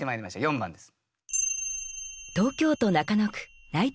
４番です。